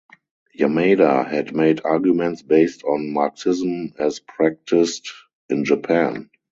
Yamada had made arguments based on Marxism as practiced in Japan.